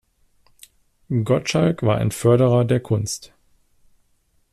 Gottschalk war ein Förderer der Kunst.